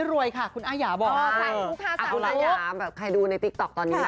พรอยนับจุดละกัน